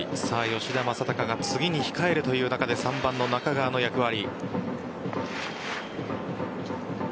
吉田正尚が次に控えるという中で３番の中川の役割。